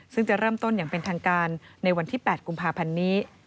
ซึ่งจะเริ่มต้นอย่างเป็นทางการในวันที่๘กุมภาพันธ์นี้